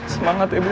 semangat ya bu